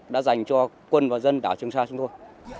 đã dành cho quân và dân đảo trường sa chúng tôi